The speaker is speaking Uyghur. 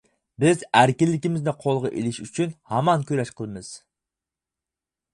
بىز ئەركىنلىكىمىزنى قولغا ئېلىش ئۈچۈن ھامان كۈرەش قىلىمىز.